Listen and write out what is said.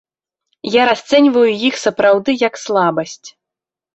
Я расцэньваю іх сапраўды як слабасць.